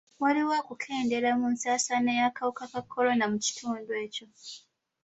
Waliwo okukendeera mu nsaasaana y'akawuka ka kolona mu kitundu ekyo.